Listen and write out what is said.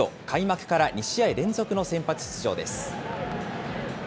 開幕から２試合連続の先発出場です。